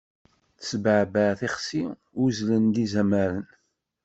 Tesbeɛbeɛ tixsi, uzzlen-d izamaren.